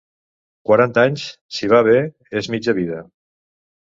Quaranta anys, si va bé, és mitja vida.